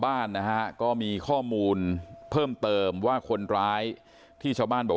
บ้านนะฮะก็มีข้อมูลเพิ่มเติมว่าคนร้ายที่ชาวบ้านบอก